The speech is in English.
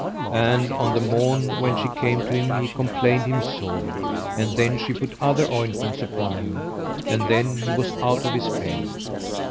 And on the morn when she came to him he complained him sore; and then she put other ointments upon him, and then he was out of his pain.